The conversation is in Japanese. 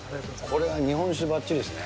これは日本酒ばっちりですね。